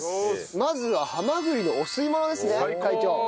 まずはハマグリのお吸い物ですね貝長。